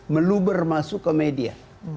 meluber masuk ke media